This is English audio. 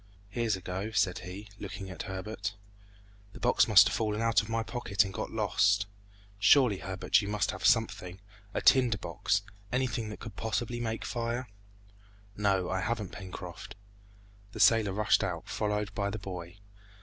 "Here's a go!" said he, looking at Herbert. "The box must have fallen out of my pocket and got lost! Surely, Herbert, you must have something a tinder box anything that can possibly make fire!" "No, I haven't, Pencroft." The sailor rushed out, followed by the boy.